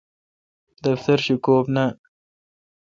دفتر شی کوبی نان۔